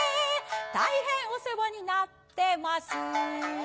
大変お世話になってます